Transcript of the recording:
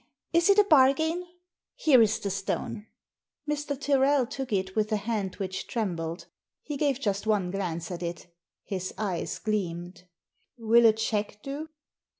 Is it a bargain ? Here is the stone." Mr. Tyrrel took it with a hand which trembled. He gave just one glance at it His eyes gleamed "Will a cheque do?"